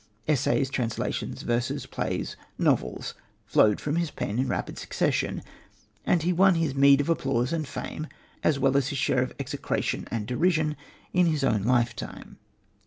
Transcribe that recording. Essays, translations, verses, plays, novels flowed from his pen in rapid succession, and he won his meed of applause and fame, as well as his share of execration and derision, in his own lifetime.